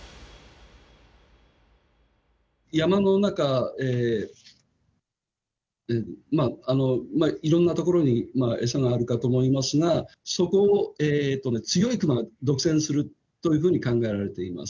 山の中、まあ、いろんな所に餌があるかと思いますが、そこを強いクマが独占するというふうに考えられています。